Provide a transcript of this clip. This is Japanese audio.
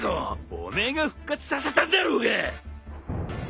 お前が復活させたんだろうが！